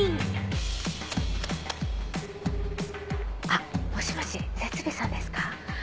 あっもしもし設備さんですか？